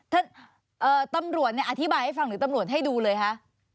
ตำรวจเนี่ยอธิบายให้ฟังหรือตำรวจให้ดูเลยคะ